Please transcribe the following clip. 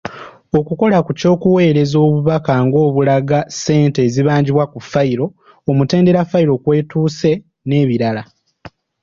Okukola ku ky’okuweereza obubaka ng’obulaga ssente ezibanjibwa ku fayiro, omutendera fayiro kw’etuuse n’ebirala.